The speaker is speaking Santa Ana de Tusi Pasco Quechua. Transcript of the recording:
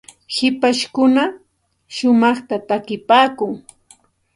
hipashkuna shumaqta takipaakun.